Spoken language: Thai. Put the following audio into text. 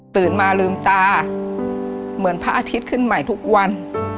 มาลืมตาเหมือนพระอาทิตย์ขึ้นใหม่ทุกวัน